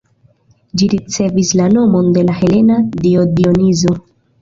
Ĝi ricevis la nomon de la helena dio Dionizo.